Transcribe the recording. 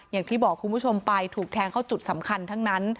อย่างที่บอกคุณผู้ชมไปถูกแทงเข้าจุดสำคัญทั้งนั้น